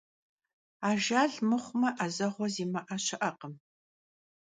Ajjal mıxhume 'ezeğue zimı'e şı'ekhım.